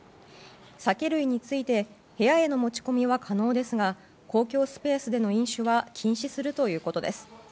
酒類について部屋への持ち込みは可能ですが公共スペースでの飲酒は禁止するということです。